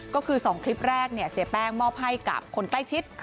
ก็คือ๒คลิปแรกเสียแป้งมอบให้กับคนใกล้ชิด